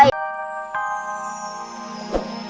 pasti kamu gak baca doa ya